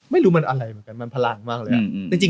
ไม่รู้มันอะไรมันพลังมากเลย